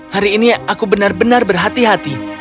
hari ini aku benar benar berhati hati